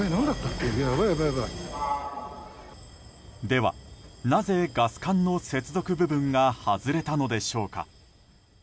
ではなぜガス管の接続部分が外れたのでしょうか。